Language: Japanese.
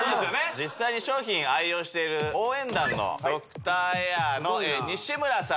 実際に商品愛用している応援団のドクターエアの西村さん